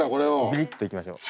メリッといきましょう。